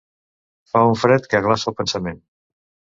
Fer un fred que glaça el pensament.